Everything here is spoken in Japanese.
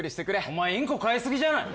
お前インコ飼い過ぎじゃない？